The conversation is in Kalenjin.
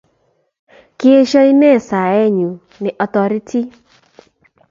Kiesho inet saet nyu ne atoreti